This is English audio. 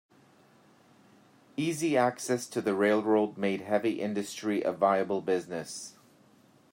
Easy access to the railroad made heavy industry a viable business.